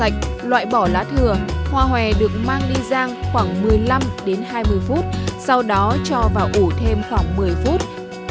khoa hòe được mang đi rang khoảng một mươi năm đến hai mươi phút sau đó cho vào ủ thêm khoảng một mươi phút